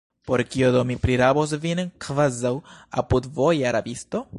Por kio do mi prirabos vin, kvazaŭ apudvoja rabisto?